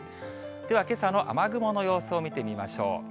ではけさの雨雲の様子を見てみましょう。